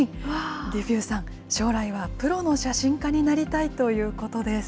デュピューさん、将来はプロの写真家になりたいということです。